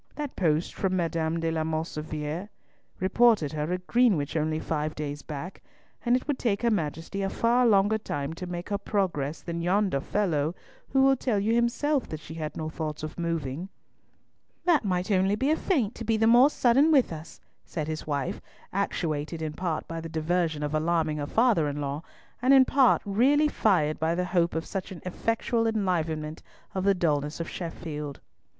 That post from M. de la Mauvissiere reported her at Greenwich only five days back, and it would take her Majesty a far longer time to make her progress than yonder fellow, who will tell you himself that she had no thoughts of moving." "That might only be a feint to be the more sudden with us," said his wife, actuated in part by the diversion of alarming her father in law, and in part really fired by the hope of such an effectual enlivenment of the dulness of Sheffield.